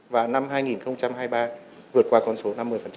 và năm hai nghìn hai mươi ba vượt qua con số năm mươi